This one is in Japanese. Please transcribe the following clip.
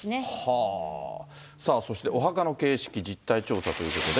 さあ、そして、お墓の形式実態調査ということで。